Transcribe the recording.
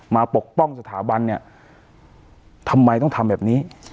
ปกป้องสถาบันเนี่ยทำไมต้องทำแบบนี้